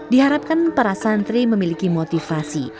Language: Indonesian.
diharapkan para santri memiliki motivasi